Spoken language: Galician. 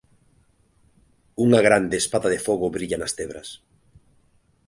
Unha grande espada de fogo brilla nas tebras".